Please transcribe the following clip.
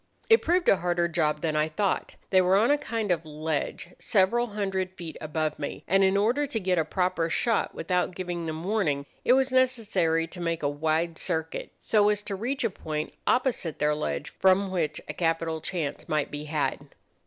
It proved a harder job than I thought. They were on a kind of ledge several hundred feet above me, and in order to get a proper shot without giving them warning, it was necessary to make a wide circuit, so as to reach a point opposite their ledge from which a capital chance might be had.